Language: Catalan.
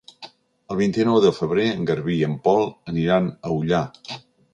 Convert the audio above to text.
El vint-i-nou de febrer en Garbí i en Pol aniran a Ullà.